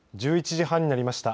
１１時半になりました。